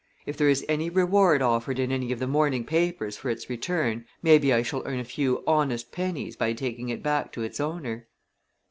If there is any reward offered in any of the morning papers for its return, maybe I shall earn a few honest pennies by taking it back to its owner."